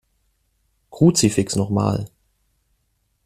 Kruzifix noch mal!